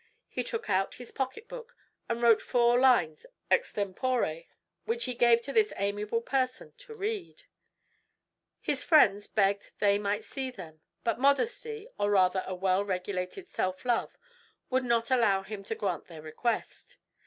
He took out his pocket book, and wrote four lines extempore, which he gave to this amiable person to read. His friends begged they might see them; but modesty, or rather a well regulated self love, would not allow him to grant their request.